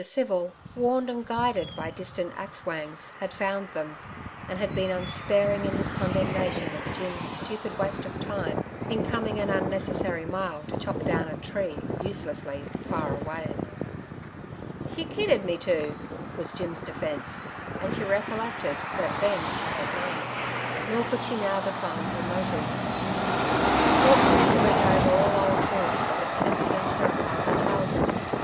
Civil, warned and guided by distant axe whangs, had found them, and had been unsparing in his condemnation of Jim's stupid waste of time in coming an unnecessary mile to chop down a tree uselessly far away. 'She kidded me to' was Jim's defence, and she recollected that then she had none. Nor could she now define her motive. Thoughtfully she went over all old haunts that had tempted and terrified her childhood.